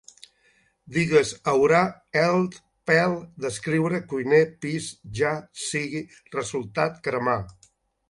Digues: haurà, held, pèl, descriure, cuiner, pis, ja sigui, resultat, cremar